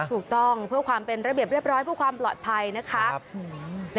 ถูกต้องเพื่อความเป็นระเบียบเรียบร้อยเพื่อความปลอดภัยนะคะ